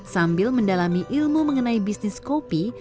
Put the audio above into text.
sambil mendalami ilmu mengenai bisnis kopi